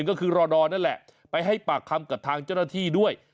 ก็คือรอดอนั่นแหละไปให้ปากคำกับทางเจ้าหน้าที่ด้วย